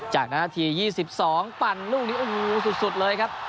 จากนาที๒๒ปั่นรุ่นสุดเลยครับ